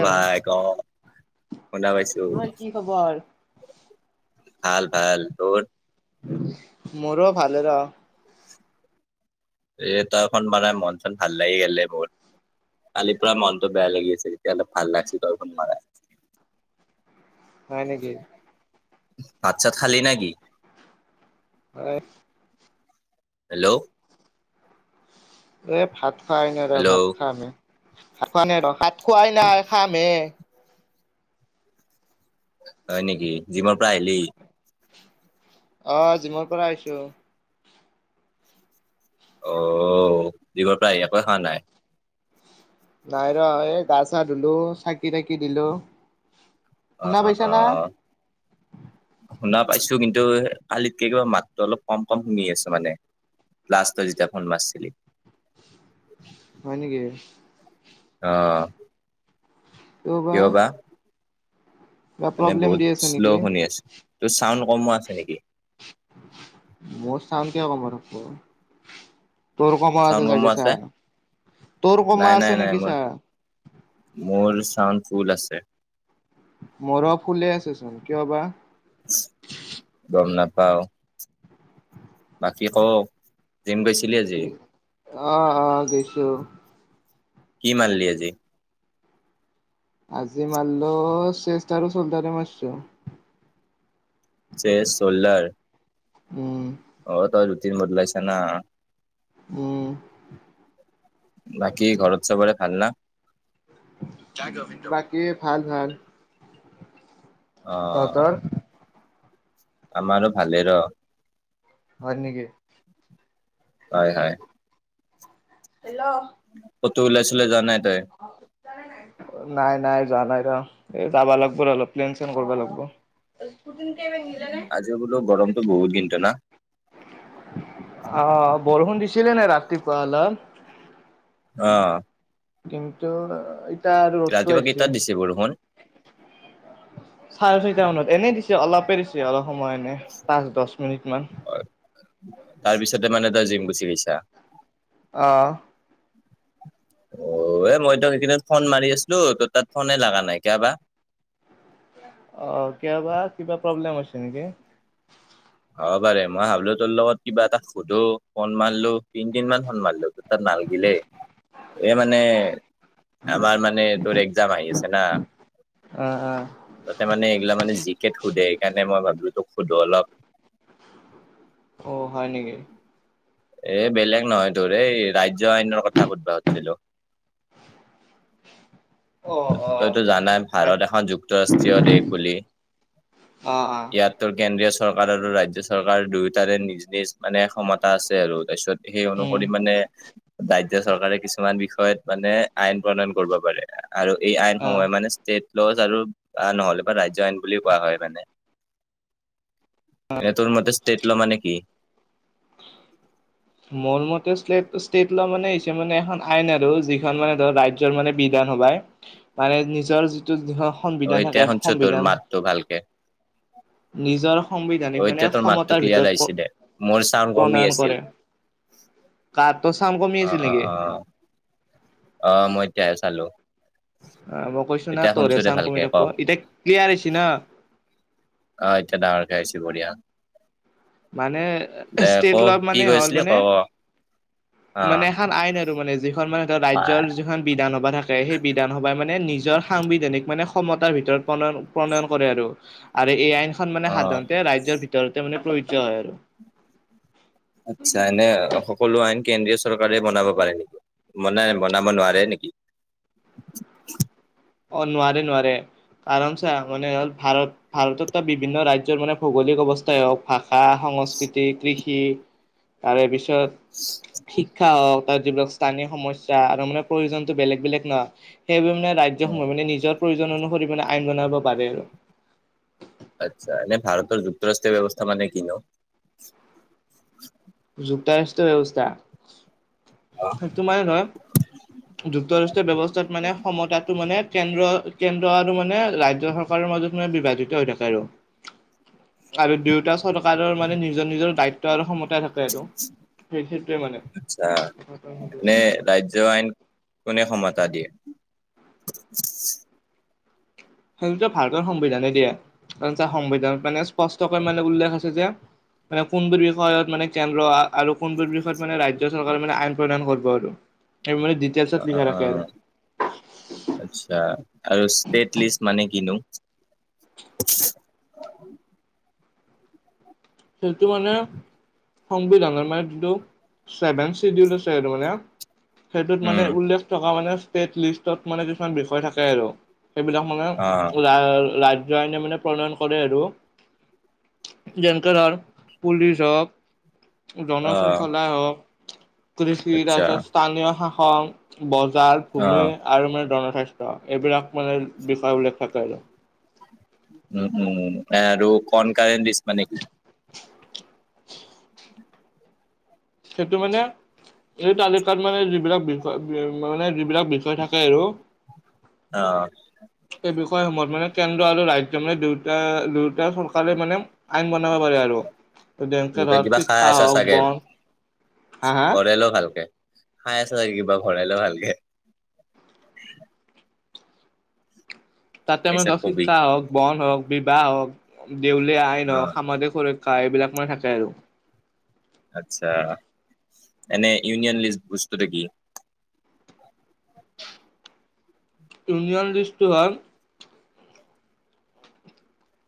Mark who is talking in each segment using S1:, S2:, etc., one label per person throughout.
S1: বাই ক শুনা পাইছো।
S2: কি খবৰ?
S1: ভাল ভাল। তোৰ?
S2: মোৰ ভালে ৰ
S1: এই তই ফোন মাৰত মন চন ভাল লাগি গলে বহুত। কালি পৰা মনটো বেয়া লাগি আছে, এতিয়া অলপ ভাল লাগিছ তই মৰাত।
S2: হয় নেকি।
S1: ভাত-চাত খালী নেকি?
S2: হয়।
S1: হেল্ল'।
S2: এই ভাত খোৱাই ন ৰ'
S1: হেল্ল'
S2: ভাত খামহে। ভাত খুৱ নাই ৰ, ভাত খোৱাই নাই খাম হে।
S1: হয় নেকি। যিমনৰ পৰা আহিলি?
S2: অজিমৰ পৰা আহিছো।
S1: অ জিমৰ পৰা আহি একো খানাই?
S2: নাই ৰ এই গা চা ধুলো, চাকি তাকি দিলো, শুনা পাইছা
S1: অ-অ-অ।
S2: না
S1: শুনা পাইছো। কিন্তু কালিতকে কিবা মাতটো অলপ কম কম শুনি আছো মানে। ল্লষ্ট তই যেতেয়া ফোন মাৰছিলি।
S2: হয় নেকি।
S1: আহ।
S2: কিয়বা।
S1: মানে বহুত শ্ল'
S2: নেকি
S1: শুনি আছো, তোৰ চাউণ্ড কমো আছে নেকি?
S2: মোৰ চাউণ্ড কিয় কমৱা থাকব? তোৰকমা
S1: চাউণ্ড
S2: আছে
S1: কমো
S2: চাগে চা,
S1: নাই
S2: তোৰকমা
S1: নাই
S2: আছে
S1: নাই
S2: নেকি
S1: মোৰ
S2: চা।
S1: মোৰ চাউন ফুল আছে।
S2: মৰ ফুলে আছে চোন কিয় বা
S1: গম ন পও বাকী ক জিম গৈছিলি আজি
S2: অ অ গৈছো
S1: কি মানলি আজি
S2: আজি মাৰিলো চেষ্টাৰো চলটাৰে মাৰছো
S1: চে চলাৰ
S2: উম
S1: অ তজোতিন বদলাইছ না
S2: উম
S1: বাকী ঘৰত চবৰে ভাল ন
S2: বাকী ভাল ভাল
S1: অ
S2: তহঁতৰ
S1: আমাৰো ভালেৰ
S2: হয় নকি
S1: হয় হয়
S2: হ্ল
S1: কতো ওলাইছিলে য নাই তই
S2: [unintelligible] নাই নাই নাই যোৱা নাই ৰ এই যাবা লাগব ৰ অলপ প্লেন চলেন কৰিবা লাগিব কুঠিনতেিব নিল নে
S1: আজি বোলো গৰমটো বহুত দিনটোো ন
S2: আহ বৰষুণ দিছিলে নে ৰাতিপুৱা অলপ
S1: অহ
S2: কিন্তু এতিয়া আৰু ৰ'দাইছে-
S1: কেইটাত দিছে বৰষুণ
S2: চাৰে ছয়টা মানত এনে দিছে অলপে দিছে অলপ- সময় নে পাঁচ দহ মিনিট মান-
S1: তাৰ পিছতে মানে তই জিম গুচি গৈছা?
S2: অহ-
S1: অ এ মইতো সেইকেইদিন ফোন মাৰি আছিলো তোৰ তাত ফোনে লগা নাই কিয়বা?
S2: অ কিয়বা কিবা প্ৰব্লেম হৈছে নেকি?
S1: অ পাৰে মই হাবলো তোৰ লগত কিবা এটা সুধো ফন্ মাৰলো তিনদিন মান ফন মাৰলো নালগিলে। এই মানে আমাৰ মানে তোৰ এক্জাম আহি আছে
S2: অ অ
S1: [unintelligible] তাতে মানে এইগিলা মানে - ি [unintelligible] ক সোধে সেইণে মই ভাবিলো তোক সোধো অলপ-
S2: অ হয় নেকি?
S1: এ বেলেগ নহয় তোৰৰে ৰাজ্য আইনৰ কথা সুধিব খুজিছিলো।
S2: [inaudible] অ', অ',
S1: তইতো জানাই
S2: তাক
S1: ভাৰত এখন যুক্তৰাষ্ট্ৰীয় দেশ বুলি।
S2: অ', অ',
S1: ইয়াততোৰ কেন্দ্ৰীয়- চৰকাৰ আৰু ৰাজ্য চৰকাৰ দুয়োটাৰে নিজ নিজ মানে ক্ষমতা আছে আৰু তাৰপিছত- সেই
S2: উম,
S1: অনুসৰি মানে- ৰাজ্য চৰকাৰে কিছুমান বিষয়ত মানে আইন প্ৰণয়ন কৰিব পাৰে। আৰু এই
S2: অ'।
S1: আইনসমূহে মানে ষ্টেট- লছ আৰু আহ নহ'লে বা ৰাজ্য আইন বুলি কোৱা হয় মানে। এনে তোৰ মতে ষ্টেট ল মানে কি?
S2: মোৰ মতে ষ্টেট লোৱা মানে মানে এখন আইন আৰু যিখন মানে ধৰ ৰাজ্যৰ মানে বিধান। বাই মানে নিজৰ যিটো
S1: অ
S2: সংবিধান
S1: এতিয়া
S2: থাকে
S1: শুনছো তোৰ
S2: সংবিধান-
S1: মাতটো ভালকে
S2: নিজৰ সংবিধানিক
S1: অ
S2: মানে
S1: এতিয়া তোৰ মাতটো
S2: ক্ষমতাৰ
S1: ক্লিয়াৰ
S2: ভিতৰত
S1: আহিছে দে মোৰ চাউণ্ড কমি
S2: প্ৰণয়ন
S1: আছিল।
S2: কৰে। কাৰটো চাউণ্ড কমি
S1: অ
S2: আছিল
S1: -অ
S2: নেকি?
S1: -অ -অ মই এতিয়া-
S2: আহ মই কৈছো ন
S1: এতিয়া শুনছো
S2: তৰে
S1: দে
S2: চাউণ্ড
S1: ভালকে
S2: কমি
S1: ক অ
S2: থাকব, এতিয়া ক্লিয়াৰ আহিছ ন?
S1: আহ এতিয়া ডাঙৰ কে আহিছে, বঢ়িয়া।
S2: মানে
S1: দে ক
S2: ষ্টেট ল
S1: কি
S2: মানে
S1: কৈ
S2: হ'ল
S1: আছিলি ক ক অ
S2: মানে- মানে এখন আইন আৰু মানে যিখন মানে ৰাজ্যৰ যিখন বিধান সভা থাকে, সেই বিধান সভাই মানে নিজৰ সাংবিধানিক, মানে সমতাৰ ভিতৰত প্ৰণয়ন কৰে আৰু। আৰু এয়াই মানে
S1: অ
S2: সাধাৰণতে ৰাজ্যৰ ভিতৰতে মানে প্ৰযোজ্য হয় আৰু।
S1: আত্ছা এনে সকলো আইন কেন্দ্ৰীয় চৰকাৰে বনাব পাৰে মানে বনাব নোৱাৰে নেকি? [inaudible]
S2: অ নোৱাৰে-নোৱাৰে। কাৰণ চা মানে হ'ল ভাৰত ভাৰতত তাত বিভিন্ন ৰাজ্যৰ মানে ভৌগোলিক অৱস্থাই হওঁক বা ভাষা সংস্কৃতি কৃষি তাৰে পিছত শিক্ষা হওঁক তাৰ যিবিলাক স্থানীয় সমস্যা আৰু মানে প্ৰয়োজনতো বেলেগ-বেলেগ ন? সেইবাবে উম মানে নিজৰ প্ৰয়োজন অনুসৰি মানে আইন বনাব পাৰে আৰু
S1: আচ্ছা, এনে ভাৰত যুক্তৰাষ্ট্ৰীয় ব্যৱস্থা মানে কিনো?
S2: যুক্তৰাষ্ট্ৰ ব্যৱস্থা সেইটো মানে ধৰ যুক্তৰাষ্ট্ৰীয় ব্যৱস্থাত মানে সমতাটো মানে কেন্দ্ৰ- কেন্দ্ৰ আৰু মানে ৰাজ্য চৰকাৰৰ মাজত মানে বিভাজিত হৈ থাকে আৰু। আৰু দুয়োটা চৰকাৰৰ মানে নিজৰ নিজৰ দায়িত্ব আৰু ক্ষমতা থাকে আৰু। সেই সেইটোৱে মানে
S1: আচ্ছা এনে ৰাজ্য আইন কোনে ক্ষমতা দিয়ে?
S2: সেইতো ভাৰতৰ সংবিধানে দিয়ে। সংবিধানত মানে স্পষ্টকৈ মানে উল্লেখ আছে যে, মানে কোনটোৰ বিষযত মানে কেন্দ্ৰ, আৰু কোনটোৰ বিষয়ত ৰাজ্য চৰকাৰ আইন প্ৰণয়ন কৰিব আৰু। সেইবোৰ মানে
S1: অ
S2: ডিটেইেলছত
S1: অ
S2: লিখা
S1: অ
S2: থাকে আৰু।
S1: আচ্ছা আৰু ষ্টেট লিষ্ট মানে কিনো?
S2: সেইটো মানে সংবিধানৰ মানে যিটো ছেভেন চিডিউল আছে সটো মানে সেইটোত মানে
S1: উম
S2: উল্লেখ থকা মানে ষ্টেট লিষ্টত মানে কিছুমান বিষয় থাকে আৰু। সেইবিলাক মানে [unintelligible]
S1: অ',
S2: য ন [unintelligible] মানে প্ৰণয়ন কৰে আৰু যেনে কাৰণ পুলিচ হওক জন
S1: অ',
S2: শৃংখলা হওক কৃষি
S1: আচ্ছা
S2: তাৰপিছত স্থা। নীয় শাসন বজাৰ ভূমি
S1: অ',
S2: আৰু মানে জনস্বাস্থ্য এইবিলাক মানে বিষয়বিলাক থাকে আৰু।
S1: উ উম আৰু কন কাৰণ্ দিছ মানে কি?
S2: সেইটো মানে এই তালিকাত মানে যিবিলাক বিষয় মানে যিবিলাক বিষয় থাকে আৰু
S1: অ',
S2: এই বিষয়সমূত মানে কেন্দ্ৰ আৰু ৰাজ্য মানে দুয়টা এতিয়া চৰকাৰে মানে আইন বনাব পাৰে আৰু বেংক শিক্ষা হওক বন হা হা
S1: অৰেলোক আৰু। খাই আছ চাগে কিবা ঘৰাই ল ভালুকে
S2: তাতে মানে ধ
S1: তাৰপিছত কবি
S2: শিক্ষা হওক, বন হওক বিবাহ, হওক দেউলীয়া আইন হওক
S1: অ',
S2: সামাজিক সক্ষ কা এইবিলাক মানে থাকে আৰু।
S1: আচ্ছা এনে ইউনিয়ন লিষ্ট বস্তুটো কি?
S2: ইউনিয়ন ৰিষ্টুৰেণ্ট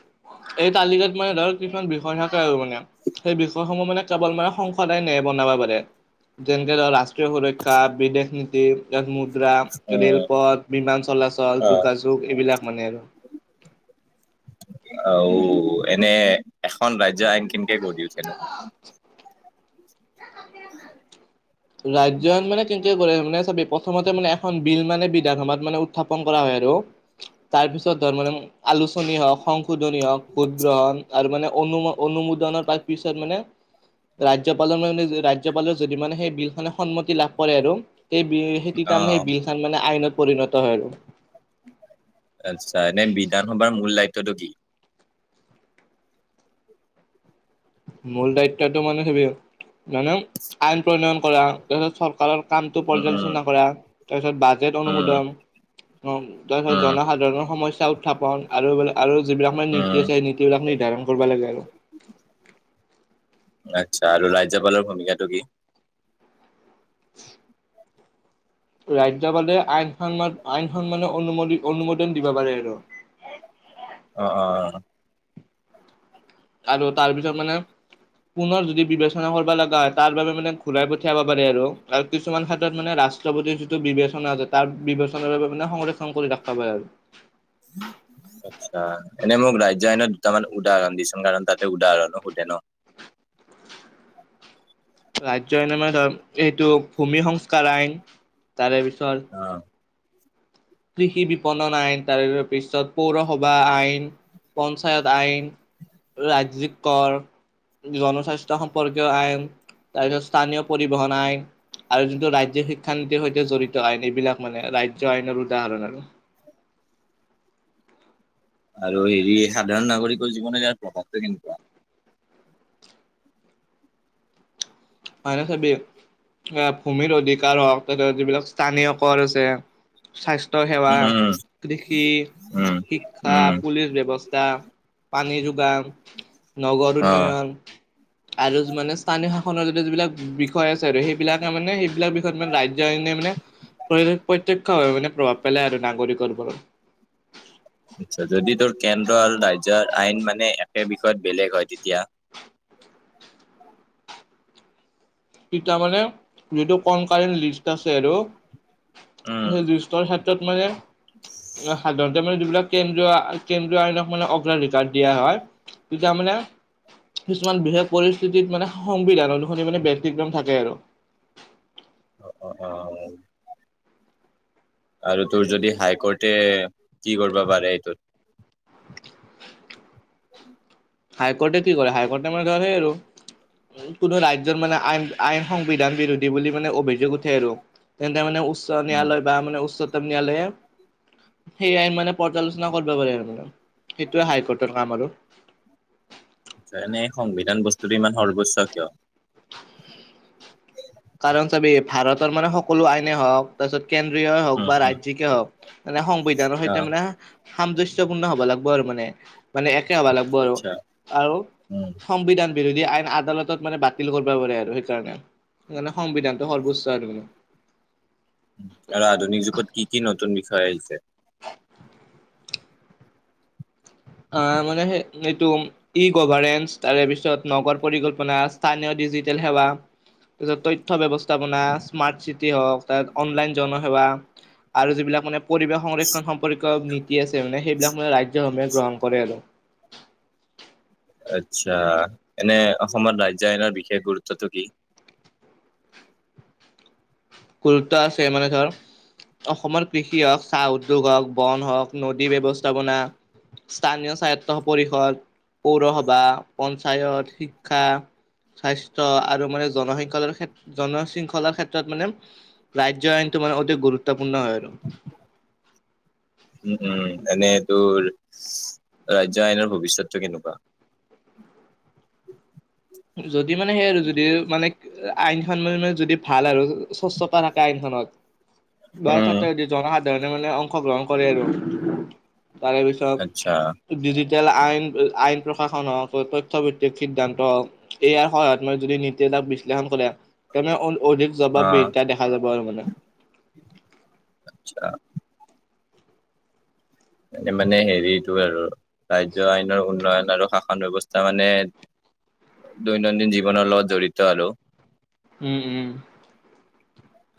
S2: [unintelligible] এই তালিকাত মানে ধৰ কিছুমান বিষয় থাকে আৰু মানে সেই বিষয়সমূহ মানে কেৱল মানে সংসদায় নিয়ে বনাব- যেনেকে ধৰ ৰাষ্ট্ৰীয় সুৰক্ষা, বিদেশ নীতি- [unintelligible]
S1: উম,
S2: ৰেলপথ, বিমান চলাচল,
S1: অ',
S2: যোগাযোগ এইবিলাক মানে আৰু।
S1: আৰু এনে এখন ৰাজ্য আইন কেনেকে গঢ়ি উঠে নো?
S2: ৰাজ্য মানে কৰে মানে চ প্ৰথমতে মানে এখন বিল মানে বিধানসভাত মানে উত্থাপন কৰা হয় আৰু তাৰছ তাৰপিছত ধ মানে আলোচনী হওক সংশোধনী হওক ভোট গ্ৰহণ আৰু মানে অনু অনু তৰ পিছত মানে ৰাজ্যপালৰ মান ৰাজ্যপালৰ যদি মানে সেই বিলখনে সন্মতি লাভ কৰে আৰু সেই বিল সেইটো তাৰ মানে
S1: অ',
S2: সেই বিল খ মানে আইনত পৰিণত হয় আৰু
S1: আচ্ছা এনেই বিধানসভাৰ মূল দায়িত্বটো কি
S2: মূল দায়িত্বটো মানে সেবি মানে আইন প্ৰণয়ন কৰাৰ চৰকাৰৰ কামটো
S1: উম, উম,
S2: পৰ্যালোচনা কৰা তাৰপিছত বাজেট
S1: উম,
S2: অনুমোদন তাৰপিছত
S1: উম,
S2: জনসাধাৰণৰ সমস্যা উত্থাপন আৰুাক আৰু যিবিলাক মানে
S1: উম,
S2: নীতি আছে সেই নীতি বিলাক নিৰ্ধাৰণ কৰিব লাগে আৰু
S1: আচ্ছা আৰু ৰাজ্যপালৰ ভূমিকাটো কি
S2: ৰাজ্পালে আইন সন্মান আইন সন্মানে অনুমোদ অনুমোদন দিব পাৰে আৰু অ
S1: অ অ
S2: আৰু তাৰপিছত মানে পুনৰ যদি বিবেচনা কৰিব লগা হয় তাৰ বাবে মানে ঘূৰাই পঠিয়াব পাৰে আৰু কিছুমান হাতত মানে ৰা ৰাষ্ট্ৰপতিৰ যিটো বিবেচনা আছে তাৰ বিবেচনাৰ বাবে মানে সংৰক্ষণ কৰি ৰাখা হয় আৰু [inaudible]
S1: আচ্ছা এনে মোক ৰাজ্য আইনত দুটামান উদাহৰণ দিচোন কাৰণ তাতে উদাহৰণো সোধে ন
S2: ৰাজ্য আইনৰ মানে ধ এইটো ভূমি সংস্কাৰ আইন তাৰে পিছত
S1: অ'
S2: কৃষি বিপণন আইন তাৰে পিছত পৌৰসভা আইন পঞ্চায়ত আইন ৰাজ্যিক কৰ জনস্বাস্থ্য সম্পৰ্কীয় আইন তাৰপিছত স্থানীয় পৰিবহন আইন আৰু যোনটো ৰাজ্যিক শিক্ষা নীতিৰ সৈতে জড়িত আইন এইবিলাক মানে ৰাজ্য আইনৰ [unintelligible]
S1: আৰু হেৰি সাধাৰণ নাগৰিকৰ জীৱনে ইয়াৰ প্ৰভাৱটো কেনেকুৱা।
S2: হয় চাবি ভূমিৰ অধিকাৰ হওক যিবিলাক স্থানীয় কৰ আছে স্বাস্থ্য সেৱা
S1: উম, উম,
S2: কৃষি
S1: উম,
S2: শিক্ষা
S1: উম,
S2: পুলিচ ব্যৱস্থা পানী য নগৰ
S1: অ'।
S2: উন্নয়ন আৰু মানে স্থানীয় শাসনৰ যিবিলাক বিষয় আছে আৰু সেইবিলাকে মানে সেইবিলাক বিষয়ত মানে ৰাজ্য আইনে মানে প্ৰত্যয়ক্ষভাৱে মানে প্ৰভাৱ পেলায় আৰু নাগৰিকৰ ওপৰত।
S1: আচছা যদি তোৰ কেন্দ্ৰ আৰু ৰাজ্যয়ৰ আইন মানে একে বিষয়ত বেলেগ হয় তেতিয়া
S2: তেতিয়া মানে যিহেতু কন কাৰণ্ লিষ্ট আছে আৰু
S1: উম।
S2: সেই যুৰ ক্ষেত্ৰত মানে সাধাৰণতে মানে যিবিলাক কেন্দ্ৰীয় কেন্দ্ৰীয় আইন মানে অগ্ৰাধিকাৰ দিয়া হয় তেতিয়া মানে কিছুমান বিশেষ পৰিস্থিতিত মানে সংবিধান অনুসৰি মানে [unintelligible] থাকে আৰু।
S1: অ', অ', অ',। আৰু তোৰ যদি হাই কোৰ্টে কি কৰিব পাৰে এইটোত
S2: হাই কোৰ্টে কি কৰে হাই কোৰ্টে আমাৰ ঘৰ হয় আৰু। কোনো ৰাজ্যৰ মানে আইন আইন সংবিধান বিৰোধী বুলি মানে অভিযোগ উঠে আৰু। তেন্তে মানে উচ্চ
S1: উম,
S2: নয়্যলয় বা মানে উচ্চতম নয়্যলয়ে সেই আইন মানে পৰ্যালোচনা কৰিব পাৰে আৰু মানে সেইটোৱে হাই কৰ্টৰ কাম আৰু।
S1: এনে সংবিধান বস্তুটো ইমান সৰ্বচ্চ কিয়।
S2: কাৰণ চাবি ভাৰতৰ মানে সকলো আইনে হওক তাৰপিছত কেন্দ্ৰীয় হওক
S1: উম,
S2: বা
S1: উম,
S2: ৰাজিক হওক মানে সংবিধানৰ সৈতে
S1: অ'
S2: মানে সাম্সয়পূৰ্ণ হব লাগিব আৰু মানে মানে
S1: আচ্ছা উম,
S2: [unintelligible] বিৰোধী আইন আদালতত মানে বাতিল কৰিব পাৰে আৰু সেইকাৰণে। সেইকাৰণে সংবিধানটো সৰ্বোচ্ত আৰু ত মানে
S1: আৰু আধুনিক যুগত কি কি নতুন বিষয় আহিছে।
S2: অ', মানে স এইটো ই গভাৰনেন্ঞ্চ তাৰে পিছত নগৰ পৰিকল্পনা, স্থানীয় ডিজিটেল সেৱা, তাৰপিছত তথ্য ৱৱস্থাপনা স্মাৰ্ট চিটি হওক তাৰ অনলাইন জনসেৱা আৰু যিবিলাক মানে পৰিৱেশ সংৰক্ষণ সম্পৰ্কীয় নীতি আছে মানে সেইবিলাক মানে ৰাজ্যসমূহে গ্ৰহণ কৰে। কৰে আৰু।
S1: আচ্ছা এনে অসমত ৰাজ্য আইনৰ বিশেষ গুৰুত্বটো কি?
S2: গুৰুত্ব আছে মানে ধৰ অসমত কৃষি হওক চাহ উদ্যোগ হওক বন হওক নদী ব্যৱস্থাপনা স্থানীয় স্বায়ত্ত পৰিষদ, পৌৰসভা, পঞ্চায়ত, শিক্ষা স্বাস্থ্য আৰু মানে জনশৃংখলাৰ ক্ষেত জন শৃংখলাৰ ক্ষেত্ৰত মানে ৰাজ্য আইনটো মানে অতি গুৰুত্বপূৰ্ণ হয় আৰু।
S1: উম উম এনে দূ ৰাজ্য আইনৰ ভৱিষ্যতটো কেনেকুৱা।
S2: [inaudible] যদি মানে সেই আৰু যদি মানে আইনখন মানে মে যদি ভাল আৰু স্বচ্ছতা থাকে আইনখনত বাাৰ
S1: উম
S2: তাতে জনসাধাৰণে মানে অংশগ্ৰহণ কৰে আৰু। তাৰে পিছত
S1: আচ্ছা
S2: য আইন আইন প্ৰশাসন তথ্য ভিত্তিক সিদ্ধান্ত এয়াৰ সহায়ত ম যদি নীতি এটাক বিশ্লেষণ কৰে তে অধিক
S1: অ
S2: জবাব বিহা দেখা যাব আৰু মানে
S1: আচ্ছা মানে হেৰিতটো আৰু ৰাজ্য আইনৰ উন্নয়ন আৰু শাসন ব্য্ৱস্থা মানে দৈনন্দিন জীৱনৰ লগত জড়িত আৰু
S2: উম উম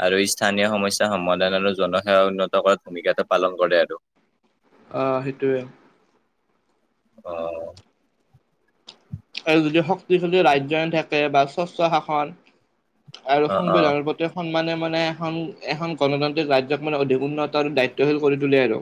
S1: আৰু স্থানীয় সমস্যা সমাধান আৰু জনসেৱা উন্নত কৰাত ভূমিকাটো পালন কৰে আৰু
S2: অ সেইটোয়ে
S1: অ',
S2: আৰু যদি শক্তিশালী ৰাজ্যন থাকে বা স্বচ্ছ শাসন আৰু
S1: অ অ
S2: সংবিধানৰ প্ৰতি সন্মানে মানে এ এখন গণতান্ত্ৰিক ৰাজ্যক মানে অধিক উন্নত আৰু দায়িত্বশীল কৰি তুলি আৰু